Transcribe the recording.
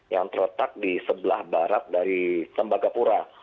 yang terletak di sebelah barat dari tembaga kura